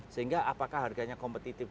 sehingga apakah harganya kompetitif